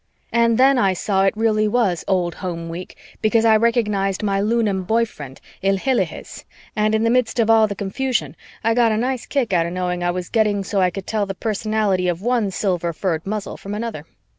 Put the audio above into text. And then I saw it really was old home week because I recognized my Lunan boy friend Ilhilihis, and in the midst of all the confusion I got a nice kick out of knowing I was getting so I could tell the personality of one silver furred muzzle from another.